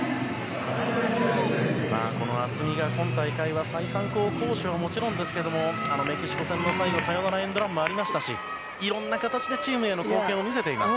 渥美が今大会、再三攻守はもちろんですけどもメキシコ戦の最後、サヨナラエンドランもありましたしいろんな形でチームへの貢献を見せています。